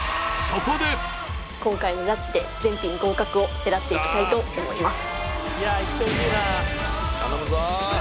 今回のジャッジで全品合格を狙っていきたいと思います